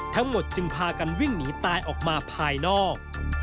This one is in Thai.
ทั้งหมดจึงพากันวิ่งหนีตายออกมาภายนอก